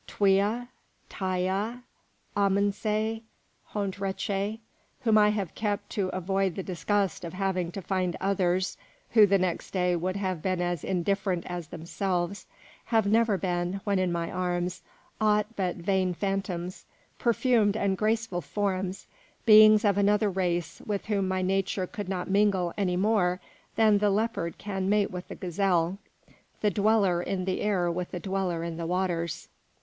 Twea, Taïa, Amense, Hont Reché, whom I have kept to avoid the disgust of having to find others who the next day would have been as indifferent as themselves, have never been, when in my arms, aught but vain phantoms, perfumed and graceful forms, beings of another race with whom my nature could not mingle any more than the leopard can mate with the gazelle, the dweller in the air with the dweller in the waters.